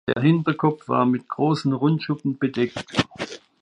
Der Hinterkopf war mit großen Rundschuppen bedeckt.